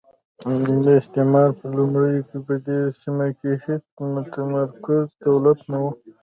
د استعمار په لومړیو کې په دې سیمه کې هېڅ متمرکز دولت نه وو.